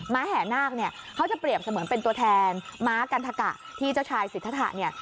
้าแห่นาคเนี่ยเขาจะเปรียบเสมือนเป็นตัวแทนม้ากันทะกะที่เจ้าชายสิทธาเนี่ย